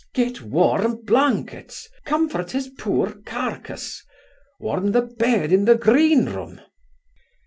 get warm blankets comfort his poor carcase warm the bed in the green room.